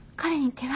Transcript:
手紙？